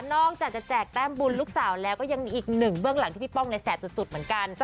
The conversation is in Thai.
นอกจากจะแจกแต้มบุญลูกสาวแล้วก็ยังมีอีกหนึ่งเบื้องหลังที่พี่ป้องในแสบสุดเหมือนกัน